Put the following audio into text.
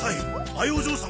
あいお嬢様。